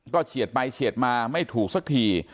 ก็เฉียดไปเฉียดมาไม่ถูกสักที